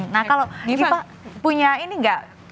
nah kalau giva punya ini gak